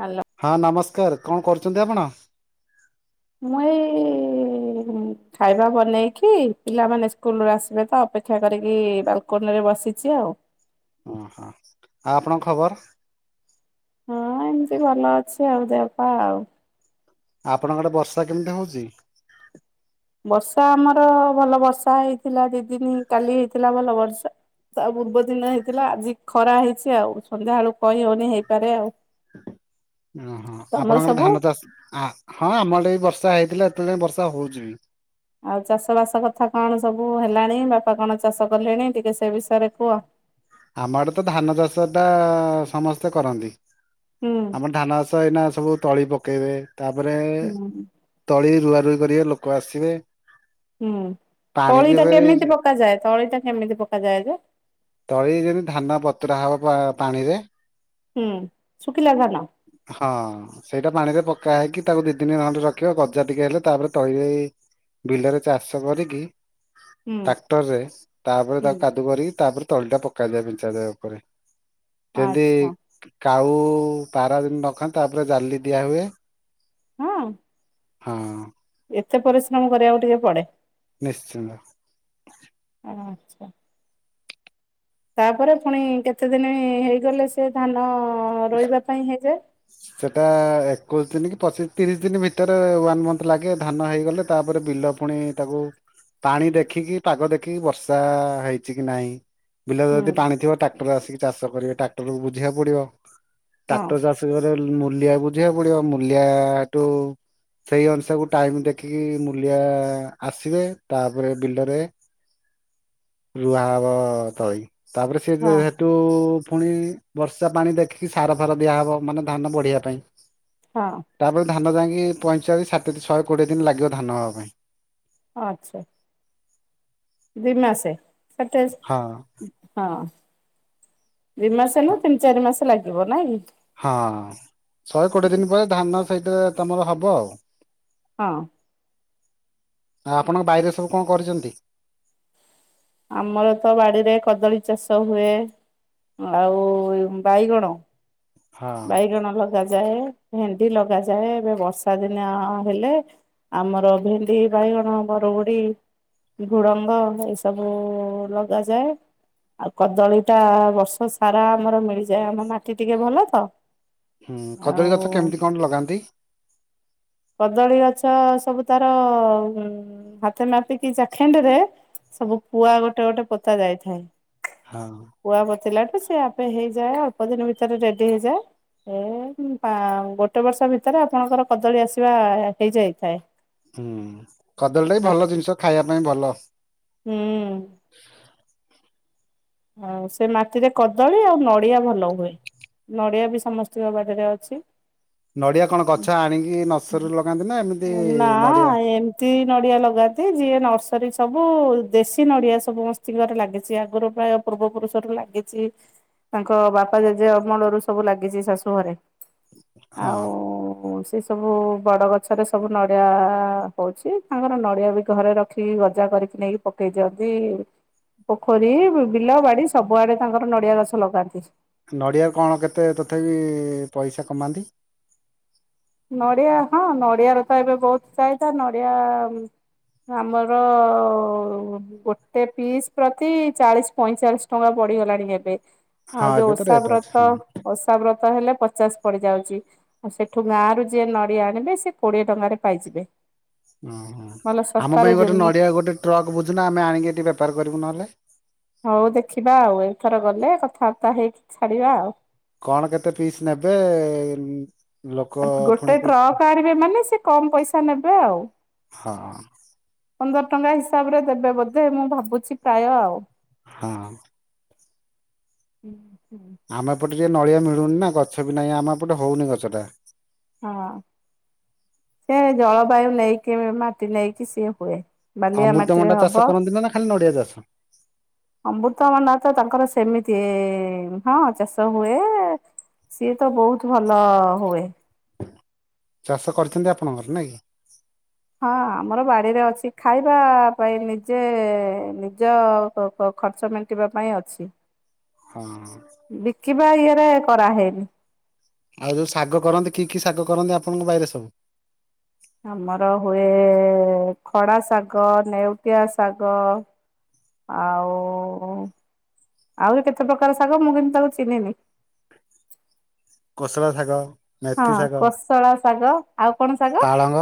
Hello ହଁ ନମସ୍କାର। କଣ କରୁଚନ୍ତି ଆପଣ? ମୁଁ ଏଇ ଖାଇବା ବନେଇ କି ପିଲାମାନେ ସ୍କୁଲ୍ ରୁ ଆସିବେ ତ ପେକ୍ଷା କରିକି ବାଲୁକୁନିରେ ବସିଚି ଆଉ। ଅଁ ହ ଆଉ ଆପଣଙ୍କ ଖବର? ହଁ ଏମତି ଭଲ ଅଛି ଆଉ ଦେହପା ଆଉ। ଆ ଆପଣଙ୍କ ଆଡ଼େ ବର୍ଷା କେମତି ହଉଚି? ବର୍ଷା ଆମର ଭଲ ବର୍ଷା ହେଇଥିଲା ଦି ଦିନି କାଲି ହେଇଥିଲା ଭଲ ବର୍ଷା। ତା ପୂର୍ବଦିନ ହେଇଥିଲା ଆଜି ଖରା ହେଇଚି ଆଉ ସନ୍ଧ୍ୟା ଅଳୁ କହି ହଉନି ହେଇପାରେ ଆଉ। ଓହୋ ତମର ଆପଣଙ୍କର ସବୁ? ଧାନ ଚାଷ୍ ଆ ହଁ ଆମ ଆଡ଼େ ଏଇ ବର୍ଷା ହେଇଥିଲା। ତେଳେ ବର୍ଷା ହୋଉଚି ବି। ଆଉ ଚାଷ ବାସ କଥା କଣ ସବୁ ହେଲାଣି ବାପା କଣ ଚାଷ କଲେଣି ଟିକେ ସେ ବିଷୟରେ କୁହ। ଆମ ଆଡ଼େ ତ ଧାନ ଚାଷଟା ସମସ୍ତେ କରନ୍ତି। ହୁଁ ଆମର ଧାନ ଚାଷ ଏଇନା ସବୁ ତଳି ପକେଇବେ। ତାପରେ ହୁଁ। ତଳି ରୁଆ ରୁଇ କରିବେ ଲୋକ ଆସିବେ। ହୁଁ ପାଣି ବି ତଳିଟା ଏବେ କେମିତି ପକାଯାଏ ତଳିଟା କେମିତି ପକାଯାଏ ଯେ? ତଳି ଯେମିତି ଧାନ ବତୁରା ହବ ପାଣିରେ। ହୁଁ ସୁ ହଁ ସେଇଟା ପାଣିରେ ପ କା ହେଇକି ତାକୁ ଦି ଦିନି ଅଣ୍ଡ ରଖିବ ଗଜା ଟିକେ ହେଲେ ତାପରେ ତଳିରେ ବିଲରେ ଚାଷ କରିକି ହୁଁ ଟାକ୍ଟର୍ ରେ ତାପରେ ତାକୁ ହୁଁ କାଦୁ କରିକି ତାପରେ ତଳିଟା ପକାଯାଏ ବିଞ୍ଚା ଯାଏ ଓପରେ ଯେଦି ଆଚ୍ଛା କାଉ ପାରା ଯେନ୍ ନଖାଁ ତାପରେ ଜାଲି ଦିଆ ହୁଏ। ହଁ? ହଁ। ଏତେ ପରିଶ୍ରମ କରିବାକୁ ଟିକେ ପଡ଼େ। ନିଶ୍ଚିନ୍ତ। ଆଚ୍ଛା। ତାପରେ ଫୁଣି କେତେ ଦିନି ହେଇଗଲେ ସିଏ ଧାନ ରୋଇବା ପାଇଁ ହେଇଯାଏ? ସେଟା ଏକୋଇଶ ଦିନ କି ପଚିଶ ତିରିଶ ଦିନ ଭିତରେ ୱାନ୍ ମନ୍ଥ ଲାଗେ, ଧାନ ହେଇଗଲେ ତାପରେ ବିଲ ପୁଣି ତାକୁ ପାଣି ଦେଖିକି, ପାଗ ଦେଖିକି, ବର୍ଷା ହେଇଛି କି ନାହିଁ ବିଲରେ ହୁଁ ଯଦି ପାଣି ଥିବ ଟ୍ରାକ୍ଟର ଆସିକି ଚାଷ କରିବେ, ଟ୍ରାକ୍ଟରକୁ ବୁଝିବାକୁ ପଡିବ ହଁ ଟ୍ରାକ୍ଟର ଚାଷ କରିଗଲେ ମୂଲିଆକୁ ବୁଝିବାକୁ ପଡିବ, ମୂଲିଆଠୁ ସେଇ ଅନୁସାକୁ ଟାଇମ ଦେଖିକି ମୂଲିଆ ଆସିବେ, ତାପରେ ବିଲରେ ରୁଆଁ ହବ ତଳି। ତାପରେ ସିଏ ସେ ହଁ ସେଠୁ, ପୁଣି ବର୍ଷା ପାଣି ଦେଖିକି ସାର ଫାର ଦିଆହବ ମାନେ ଧାନ ବଢିବା ପାଇଁ। ହଁ ତାପରେ ଧାନ ଯାଇଁକି କି ପଇଁଚାଳିଶ, ଷାଠିଏ ଶହେ କୋଡିଏ ଦିନ ଲାଗିବ ଧାନ ହବା ପାଇଁ। ଆଚ୍ଛା। ଦି ମାସେ? ସେ ଟେଷ୍ଟ ହଁ ହଁ। ଦି ମାସେ ନୁହଁ, ତିନି ଚାରି ମାସ ଲାଗିବ ନାଇଁକି? ହଁ, ଶହେକୋଡିଏ ଦିନ ପରେ ଧାନ ସେଇଟା ତମର ହବ ଆଉ। ହଁ। ଆଉ ଆପଣଙ୍କ ବାଇରେ ସବୁ କଣ କରିଚନ୍ତି? ଆମର ତ ବାଡିରେ କଦଳୀ ଚାଷ ହୁଏ ଆଉ ବାଇଗଣ, ହଁ ବାଇଗଣ ଲଗାଯାଏ ଭେଣ୍ଡି ଲଗାଯାଏ, ଏବେ ବର୍ଷା ଦିନିଅ ହେଲେ, ଆମର ଭେଣ୍ଡି, ବାଇଗଣ, ବର ବରଗୁଡ଼ି, ଝୁଡଙ୍ଗ ଏଇସବୁ ଲଗାଯାଏ। ଆଉ କଦଳୀଟା ବର୍ଷ ସାରା ଆମର ମିଳିଯାଏ। ଆମ ମାଟି ଟିକେ ଭଲ ତ ହୁଁ। ଆଉ କଦଳୀ ଗଛ କେମିତି କଣ ଲଗାନ୍ତି? କଦଳୀ ଗଛ ସବୁ ତାର, ଉଁ ହାତେ ମାପିକି ଚାଖେଣ୍ଡେରେ ସବୁ ପୁଆ ଗୋଟେ ଗୋଟେ ପୋତା ଯାଇଥାଏ। ହଁ ପୁଆ ପୋତିଲାଠୁ ସେ ଆପେ ହେଇଯାଏ, ଅଳ୍ପ ଦିନ ଭିତରେ ରେଡି ହେଇଯାଏ। ଏଇ ପା ଗୋଟେ ବର୍ଷ ଭିତରେ ଆପଣଙ୍କର କଦଳୀ ଆସିବା ହେଇଯାଇଥାଏ। ହୁଁ। କଦଳୀଟା ବି ଭଲ ଜିନିଷ ଖାଇବା ପାଇଁ ଭଲ। ହୁଁ। ଆଉ ସେ ମାଟିରେ କଦଳୀ ଆଉ ନଡିଆ ଭଲ ହୁଏ। ନଡ଼ିଆ ବି ସମସ୍ତିଙ୍କ ବାରିରେ ଅଛି। ନଡିଆ କଣ ଗଛ ଆଣିକି ନର୍ସରୀରୁ ଲଗାନ୍ତି ନା, ଏମିତି ନଡିଆ ନଡ଼ିଆ ଲଗାନ୍ତି। ଯିଏ ନର୍ସରୀ ସବୁ, ଦେଶୀ ନଡ଼ିଆ ସବୁ ସମସ୍ତିଙ୍କର ଲାଗିଚି। ଆଗରୁ ପ୍ରାୟ ପୂର୍ବ ପୁରୁଷରୁ ଲାଗିଚି, ତାଙ୍କ ବାପା ଜେଜେ ଅମଳରୁ ସବୁ ଲାଗିଚି ଶାଶୂଘରେ। ହଁ। ସେସବୁ ବଡ଼ ଗଛରେ ସବୁ ନଡ଼ିଆ ହଉଛି। ତାଙ୍କର ନଡ଼ିଆ ବି ଘରେ ରଖିକି ଗଜା କରିକି ନେଇକି ପକେଇ ଦିଅନ୍ତି, ପୋଖରୀ ବୁ ବିଲ, ବାଡି ସବୁଆଡେ ତାଙ୍କର ନଡିଆ ଗଛ ଲଗାନ୍ତି। ନଡିଆକୁ କଣ କେତେ ତଥାପି ପଇସା କମାନ୍ତି? ନଡିଆ ହଁ, ନଡିଆର ତ ଏବେ ବହୁତ ଚାହିଦା। ନଡିଆ ଆମର, ଗୋଟେ ପିସ୍ ପ୍ରତି ଚାଳିଶ, ପଇଁଚାଳିଶ ଟଙ୍କା ପଡି ପଡିଗଲାଣି ଏବେ। ଆଉ ହଁ ଯୋଉ ଏବେ ତ ଓଷା ରେଟ୍ ଅଛି ବ୍ରତ, ହଁ ଓଷା ବ୍ରତ ହେଲେ ପଚାଶ ପଡିଯାଉଛି। ଆଉ ସେଠୁ ଗାଁରୁ ଯିଏ ନଡିଆ ଆଣିବେ, ସିଏ କୋଡିଏ ଟଙ୍କାରେ ପାଇଯିବେ। ଓଁ ହ। ଭଲ ଆମ ଶସ୍ତାରେ ପାଇଁ ଗୋଟେ ଦିନ ନଡିଆ ଗୋଟେ ଟ୍ରକ୍ ବୁଝୁନା, ଆମେ ଆଣିକି ଏଠି ବେପାର କରିବୁ ନହେଲେ? ହଉ ଦେଖିବା ଆଉ, ଏଥର ଗଲେ କଥାବାର୍ତ୍ତା ହେଇକି ଛାଡିବା ଆଉ। କଣ କେତେ ପିସ୍ ନେବେ ଲୋକ ପୁଣି ଗୋଟେ କେ ଟ୍ରକ୍ ଆଣିବେ ମାନେ, ସେ କମ ପଇସା ନେବେ ଆଉ। ହଁ। ପନ୍ଦର ଟଙ୍କା ହିସାବରେ ଦେବେ ବୋଧେ, ମୁଁ ଭାବୁଛି ପ୍ରାୟ ଆଉ। ହଁ। ହୁଁ ହୁଁ। ଆମେ ଏପଟେ ଟିକେ ନଳିଆ ମିଳୁନି ନା ଗଛ ବି ନାଇଁ ଆମ ଏପଟେ ହଉନି ଗଛଟା। ହଁ ସେ ଜଳବାୟୁ ନେଇକି ବି ମାଟି ନେଇକି ସିଏ ହୁଏ। ବାଲିଆ ଅମୃତ ମାଟିରେ ଭଣ୍ଡା ଚାଷ କରନ୍ତି ନା ନା ଖାଲି ନଡିଆ ଚାଷ? ଅମୃତ ଭଣ୍ଡା ତ ତାଙ୍କର ସେମି ତି ହଁ ଚାଷ ହୁଏ ସିଏ ତ ବହୁତୁ ଭଲ ହୁଏ। ଚାଷ କରିଛନ୍ତି ଆପଣଙ୍କର ନାଇଁ କି? ହଁ ଆମର ବାଡିରେ ଅଛି ଖାଇବା ପାଇଁ ନିଜେ ନିଜ କ କ ଖର୍ଚ୍ଚ ମେଣ୍ଟିବା ପାଇଁ ଅଛି। ହଁ। କିବା ଇଏରେ କରାହେଇନି। ଆଉ ଯୋଉ ଶାଗ କରନ୍ତି କି କି ଶାଗ କରନ୍ତି ଆପଣଙ୍କ ବାଇରେ ସବୁ? ଆମର ହୁଏ ଖଡା ଶାଗ, ନେଉଟିଆ ଶାଗ। ଆଉ ଆହୁରି କେତେ ପ୍ରକାର ଶାଗ ମୁଁ କିନ୍ତୁ ତାକୁ ଚିହ୍ନିନି। କୋଶଳା ଶାଗ। ମେଥି ହଁ ଶାଗ କୋଶଳା ଶାଗ ଆଉ କଣ ଶାଗ? ପାଳଙ୍ଗ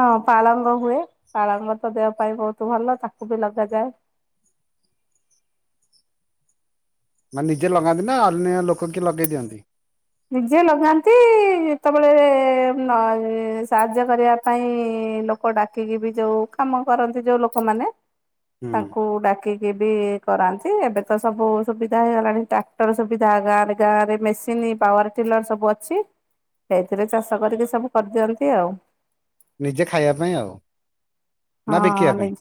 ହଁ ପାଳଙ୍ଗ ହୁଏ ପାଳଙ୍ଗ ତ ଦେହ ପାଇଁ ବହୁତ ଭଲ ତାକୁ ବି ଲଗାଯାଏ। ମାନେ ନିଜେ ଲଗାନ୍ତି ନା ଅନ୍ୟ ଲୋକ କିଏ ଲଗେଇ ଦିଅନ୍ତି? ନିଜେ ଲଗାନ୍ତି ଯେତେବେଳେ ନ ଏ ସାହାଯ୍ୟ କରିବା ପାଇଁ ଇଁ ଲୋକ ଡାକିକି ବି ଯୋଉ କାମ କରନ୍ତି ଯୋଉ ଲୋକମାନେ ହୁଁ ତାଙ୍କୁ ଡା କି କି ବି କରାନ୍ତି ଏବେ ତ ସବୁ ସୁବିଧା ହେଇଗଲାଣି ଟ୍ରାକ୍ଟର ସୁବିଧା ଗାଁରେ ଗାଁରେ ମେସିନି ପାୱାର ଟିଲର ସବୁ ଅଛି। ସେଇଥିରେ ଚାଷ କରିକି ସବୁ କରଦିଅନ୍ତି ଆଉ। ନିଜେ ଖାଇଆ ପାଇଁ ଆଉ। ନା ହଁ ବିକିବା ପାଇଁ ନିଜ୍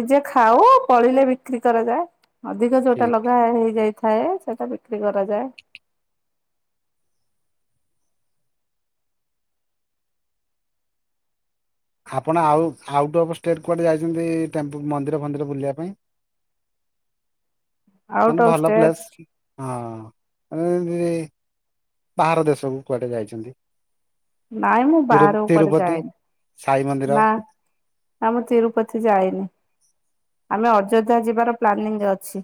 ନିଜେ ଖାଉ ଫଳିଲେ ବିକ୍ରି କରାଯାଏ। ଅଧିକ ଯୋଉଟା ଠିକ ଲଗା ହେଇଯାଇଥାଏ ସେଇଟା ବିକ୍ରି କରାଯାଏ। ଆପଣ ଆଉ ଆଉଟ ଅଫ ଷ୍ଟେଟ୍ କୁଆଡେ ଯାଇଚନ୍ତି ଟେମ୍ପୁ ମନ୍ଦିର ଫନ୍ଦିର ବୁଲିଆ ପାଇଁ? ଆଉଟ୍ ମାନେ ଅଫ୍ ଭଲ ଷ୍ଟେଟ ପ୍ଲେସ ହଁ। ମାନେ ଯେମତି ବାହାର ଦେଶକୁ କୁଆଡେ ଯାଇଛନ୍ତି? ନାଇଁ ମୁଁ ତିରୁ ବାହାରକୁ କୁଆଡେ ତିରୁପତି ଯାଏନି। ସାଇ ମନ୍ଦିର ନା ନା ମୁଁ ତିରୁପତି ଯାଇନି। ଆମେ ଅଯୋଧ୍ୟା ଯିବାର ପ୍ଲାନିଂ ଅଛି।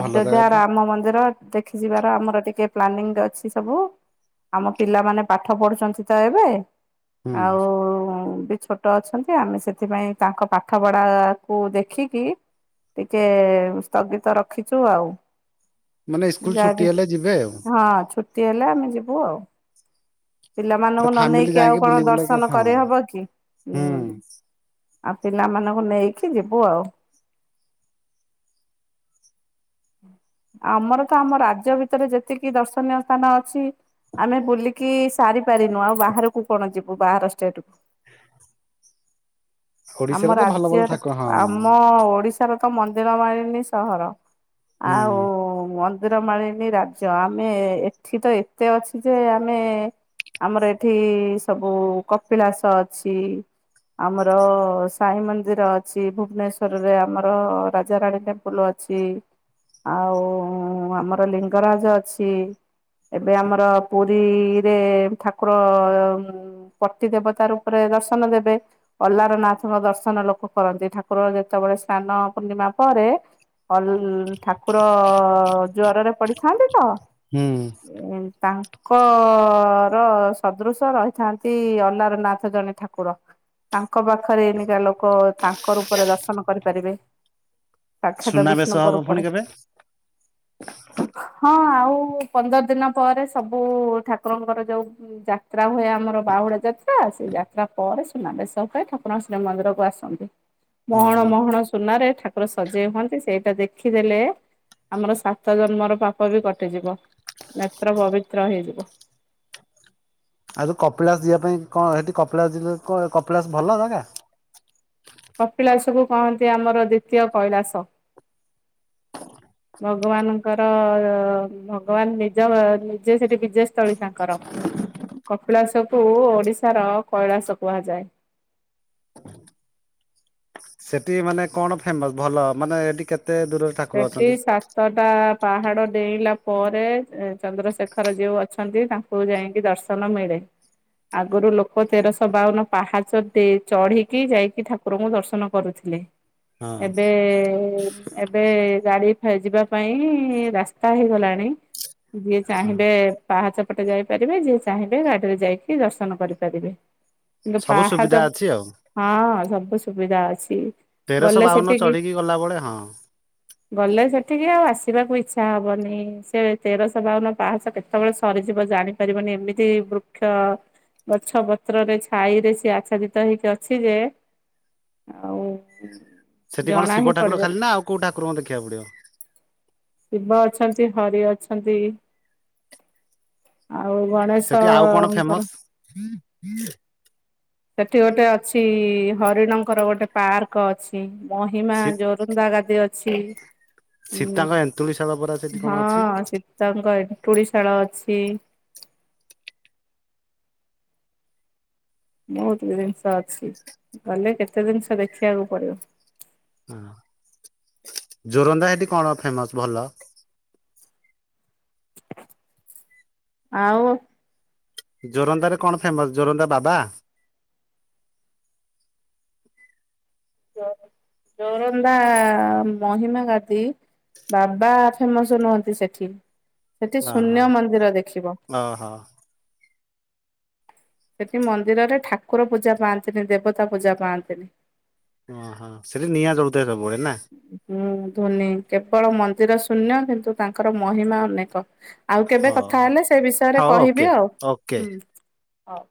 ଭଲ ଜାଗା ତ ରାମ ମନ୍ଦିର ଦେଖିଯିବାର ଆମର ଟିକେ ପ୍ଲାନିଂ ଅଛି ସବୁ ଆମ ପିଲାମାନେ ପାଠ ପଢୁଛନ୍ତି ତ ଏବେ ହୁଁ ଆଉ ବି ଛୋଟ ଅଛନ୍ତି ଆମେ ସେଥିପାଇଁ ତାଙ୍କ ପାଠପଢା କୁ ଦେଖିକି ଟିକେ ସ୍ଥଗିତ ରଖିଛୁ ଆଉ। ମାନେ ସ୍କୁଲ ଛୁଟି ଯାହାବି ହେଲେ ଯିବେ ଆଉ ହଁ ଛୁଟି ହେଲେ ଆମେ ଯିବୁ ଆଉ। ପିଲାମାନଙ୍କୁ ପୁରା ନ ଫ୍ୟାମିଲି ନେଇକି ଆଉ ଯାଇକି କଣ ବୁଲି ବୁଲାକି ଦର୍ଶନ ଆସ। ହଁ କରି ହବ କି ହୁଁ। ଆଉ ପିଲାମାନଙ୍କୁ ନେଇକି ଯିବୁ ଆଉ। ଆମର ତ ଆମ ରାଜ୍ୟ ଭିତରେ ଯେତିକି ଦର୍ଶନୀୟ ସ୍ଥାନ ଅଛି ଆମେ ବୁଲିକି ସାରି ପାରିନୁ ଆଉ ବାହାରକୁ କଣ ଯିବୁ ବାହାର ଷ୍ଟେଟ କୁ। ହ। ଆମ ରାଜ୍ୟରେ ଠାକୁର ହଁ ଆମ ଓଡ଼ିଶାର ତ ମନ୍ଦିର ମାଳିନୀ ସହର। ହୁଁ ଆଉ ମ ନ୍ଦିର ମାଳିନୀ ରାଜ୍ୟ ଆମେ ଏଠି ତ ଏତେ ଅଛି ଯେ ଆମେ ଆମର ଏଠି ସବୁ କପିଳାସ ଅଛି। ଆମର ସାଇ ମନ୍ଦିର ଅଛି ଭୁବନେଶ୍ବରରେ ଆମର ରାଜାରାଣୀ ଟେମ୍ପୁଲ ଅ ଛି, ଆଉ ଆମର ଲିଙ୍ଗରାଜ ଅଛି। ଏବେ ଆମର ପୁରୀରେ ଠାକୁର ଉଁ, ପତି ଦେବତା ରୂପରେ ଦର୍ଶନ ଦେବେ ଅଲ୍ଲାର ନାଥଙ୍କ ଦର୍ଶନ ଲୋକ କରନ୍ତି। ଠାକୁର ଯେତେବେଳେ ସ୍ନାନ ପୂର୍ଣ୍ଣମା ପ ପରେ ଅଲ ଠାକୁର ଜ୍ୱରରେ ପଡିଥାନ୍ତି ତ। ହୁଁ। କ କର ସଦୃଶ ରହିଥାନ୍ତି ଅଲାରନାଥ ଜଣେ ଠାକୁର। ତା ତାଙ୍କ ପାଖରେ ଏନିକା ଲୋକ ତାଙ୍କ ରୂପରେ ଦର୍ଶନ କରିପାରିବେ। ସାକ୍ଷାତ ସୁନାବେଶ ବିଷ୍ଣୁଙ୍କ ହବ ରୂପରେ ପୁଣି କେବେ? କୁ ପନ୍ଦର ଦିନ ପରେ ସବୁ ଠାକୁରଙ୍କର ଯୋଉ ଯାତ୍ରା ହୁଏ ଆମର ବାହୁଡା ଯାତ୍ରା ସେ ଯାତ୍ରା ପରେ ସୁନାବେଶ [inaudible] ଠାକୁର ଶ୍ରୀ ମନ୍ଦିରକୁ ଆସନ୍ତି। ମହଣ ଓହୋ ମହଣ ସୁନାରେ ଠାକୁର ସଜେଇ ହୁଅନ୍ତି ସେଇଟା ଦେଖିଦେଲେ ଆମର ସାତ ଜନ୍ମର ପାପ ବି କଟିଯିବ। ନେତ୍ର ପବିତ୍ର ହେଇଯିବ। ଆଉ ତ କପିଳାସ ଯିବା ପାଇଁ କଣ ସେଠି କପିଳାସ ଯିଲ କଣ କପିଳାସ ଭଲ ଜାଗା? କପିଳାସକୁ କହନ୍ତି ଆମର ଦ୍ୱିତୀୟ କୈଳାସ। ଭଗବାନଙ୍କର ଭଗବାନ ନିଜ ନିଜେ ସେଠି ବିଜୟ ସ୍ଥଳୀ ତାଙ୍କର। କପିଳାସ କୁ ଓଡିଶାର କୈଳାସ କୁହାଯାଏ। ସେଠି ମାନେ କଣ ଫେମସ୍ ଭଲ ମାନେ ଏଠି କେ ସେଟି ସାତଟା ପାହାଡ ଡେଇଁଲା ପରେ ଏ ଚନ୍ଦ୍ରଶେଖର ଯୋଉ ଅଛନ୍ତି ତାଙ୍କୁ ଯାଇକି ଦର୍ଶନ ମିଳେ। ଆଗରୁ ଲୋକ ତେରଶ ବାଉନ ପାହାଚ ତେ-ଚଢିକି ଯାଇକି ଠାକୁରଙ୍କୁ ଦର୍ଶନ କରୁଥିଲେ। ହଁ ଏବେ ଏବେ ଗାଡି ଫେ ଯିବା ପାଇଁ ରାସ୍ତା ହେଇଗଲାଣି। ଯିଏ ହଁ। ଚାହିଁବେ ପାହାଚ ପଟେ ଯାଇପାରିବେ ଯିଏ ଚାହିଁବେ ଗାଡିରେ ଯାଇକି ଦର୍ଶନ କରିପାରିବେ। କିନ୍ତୁ ସବୁ ପାହାଚ ସୁବିଧା ଅଛି ଆଉ ହଁ ସବୁ ସୁବିଧା ଅଛି। ତେରଶହ ଗଲେ ବାଉନ ସେଠିକି ଚଢ଼ିକି ଗଲାବେଳେ ହଁ। ଗଲେ ସେଠିକି ଆଉ ଆସିବାକୁ ଇଚ୍ଛା ହବନି। ସେ ତେରଶହ ବାଉନ ପାହଚ କେତେବେଳେ ସ ଯିବ ଜାଣିପାରିବନି ଏମିତି ବୃକ୍ଷ ଗଛ ପତ୍ରରେ ଛାଇ ରେ ସିଏ ଆଚ୍ଛାଦିତ ହେଇକି ଅଛି ଯେ ଆଉ ସେଠି କଣ ଜଣା ହିଁ ଶିବ ଠାକୁର ପଡିବନି ଖାଲି ନା ଆଉ କଉଠା ଶିବ ଅଛନ୍ତି ହରି ଟି ଅଛନ୍ତି ଆ ଆଉ ସେଠି ଆଉ କଣ ଫେମସ? ଗଣେଶଙ୍କର। ସେଠି ଗୋଟେ ଅଛି ହରିଣଙ୍କର ଗୋଟେ ପାର୍କ ଅଛି। ମହିମା ସୀ ଯୋରୁନ୍ଦା ଗାଦି ଅଛି। ସୀତାଙ୍କ ଏନ୍ତୁଳିଶାଳ ପରା ସେଠି [unintelligible] କଣ ଅଛି? ହଁ ସୀତାଙ୍କ ଏନ୍ତୁଡିଶାଳ ଅଛି। ବହୁତ ବି ଜିନିଷ ଅଛି। ଗଲେ କେତେ ଜିନିଷ ଦେଖିବାକୁ ପଡିବ। ହଁ ଯୋରନ୍ଦା ସେଠି କଣ ଫେମସ୍ ଭଲ? ଆଉ ଯୋରନ୍ଦା ରେ କଣ ଫେମସ୍ ଯୋରନ୍ଦା ବାବା? ଯୋର ଯୋରନ୍ଦା ମହିମା ଗାଧି। ବାବା ଫେମସ୍ ନୁହନ୍ତି ସେଠି। ସେଠି ଓହୋ ଶୂନ୍ୟ ମନ୍ଦିର ଦେଖିବ। ଓହୋ ସେଠି ମନ୍ଦିରରେ ଠାକୁର ପୂଜା ପାଆନ୍ତିନି ଦେବତା ପୂଜା ପାଆନ୍ତିନି। ଓହୋ! ସେଠି ନିଆଁ ଜଳୁଥାଏ ସବୁବେଳେ। ନା? ହୁଁ, ଧୋନି କେବଳ ମନ୍ଦିର ଶୂନ୍ୟ କିନ୍ତୁ ତାଙ୍କର ମହିମା ଅନେକ। ଆଉ କେବେ କଥା ହଁ ହେଲେ ସେ ବିଷୟରେ କହିବି ଆଉ। ହୁଁ ହଉ।